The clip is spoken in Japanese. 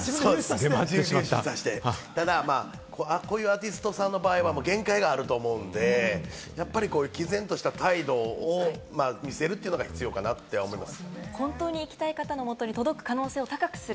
流出させてただこういうアーティストさんの場合は限界があると思うんで、毅然とした態度を見せるというのが必要かなって思います。